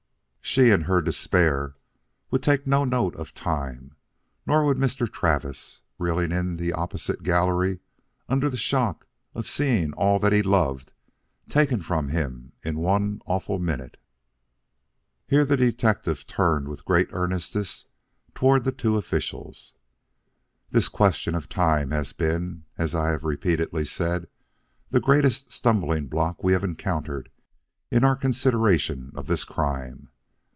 She, in her despair, would take no note of time, nor would Mr. Travis, reeling in the opposite gallery under the shock of seeing all that he loved taken from him in one awful minute." Here the detective turned with great earnestness toward the two officials. "This question of time has been, as I have repeatedly said, the greatest stumbling block we have encountered in our consideration of this crime.